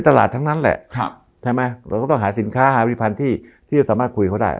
ทั้งนั้นแหละใช่ไหมเราก็ต้องหาสินค้าหาผลิตภัณฑ์ที่จะสามารถคุยเขาได้